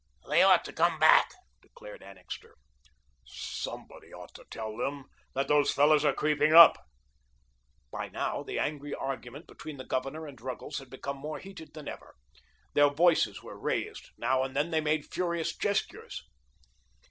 "They ought to come back," declared Annixter. "Somebody ought to tell them that those fellows are creeping up." By now, the angry argument between the Governor and Ruggles had become more heated than ever. Their voices were raised; now and then they made furious gestures.